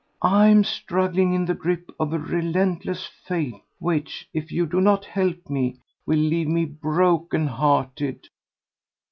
I am struggling in the grip of a relentless fate which, if you do not help me, will leave me broken hearted."